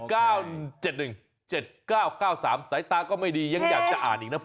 สายตาก็ไม่ดียังอยากจะอ่านอีกนะ